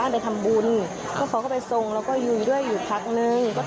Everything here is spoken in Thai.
ได้มารับแล้วเสียอะไรอ๋อเนี่ยซักบาทนิดเมื่อเนี่ย